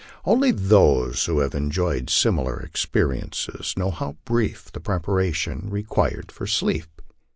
Only those who have enjoyed similar experiences know how brief the pre paration required for sleep.